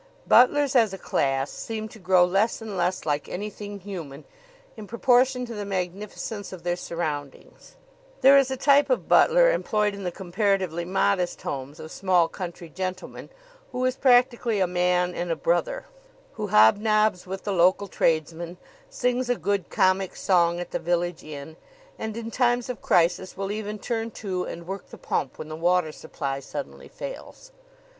Butlers as a class seem to grow less and less like anything human in proportion to the magnificence of their surroundings. There is a type of butler employed in the comparatively modest homes of small country gentlemen who is practically a man and a brother; who hobnobs with the local tradesmen, sings a good comic song at the village inn, and in times of crisis will even turn to and work the pump when the water supply suddenly fails.